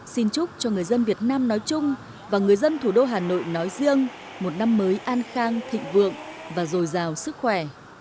xin chúc cho người dân việt nam nói chung và người dân thủ đô hà nội nói riêng một năm mới an khang thịnh vượng và dồi dào sức khỏe